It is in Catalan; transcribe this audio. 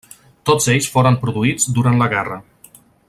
Tots ells foren produïts durant la guerra.